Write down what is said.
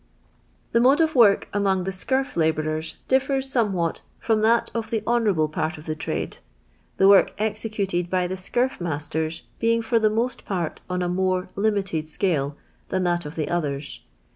The mode of work anionjr the w?nrf labounrs ditr. Ts sonifwhat from l!:at of the honourable part of thj trade ; the work executed by thi* ! scurf masters being for tin* most part on a more liniiti'd s al" than that of the others.